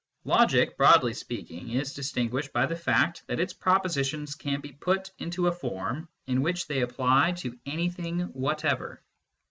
Logic, broadly speaking, is distinguished by the fact that its propositions can be put into a form in which they apply to anything whatever.